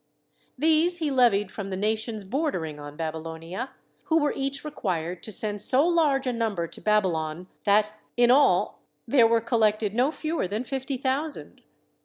These he levied from the nations bordering on Baby lonia, who were each required to send so large a num ber to Babylon, that in all there were collected no fewer than fifty thousand.